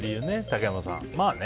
竹山さん。